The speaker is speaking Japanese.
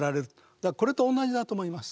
だからこれと同じだと思います。